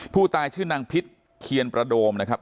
ผู้ตายชื่อนางพิษเคียนประโดมนะครับ